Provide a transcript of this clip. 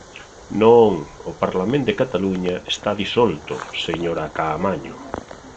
Non, o Parlament de Cataluña está disolto, señora Caamaño.